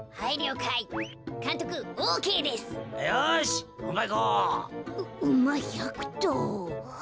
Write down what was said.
ううま１００とう。